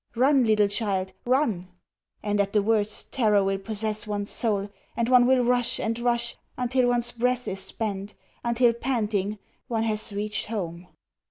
Run, little child! Run!" And at the words terror will possess one's soul, and one will rush and rush until one's breath is spent until, panting, one has reached home.